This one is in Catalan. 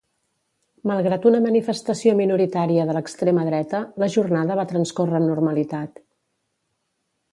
Malgrat una manifestació minoritària de l'extrema dreta, la jornada va transcórrer amb normalitat.